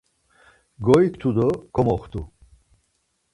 Goiktu do komoxtu.